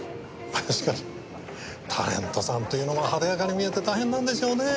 しかしタレントさんというのは華やかに見えて大変なんでしょうねえ。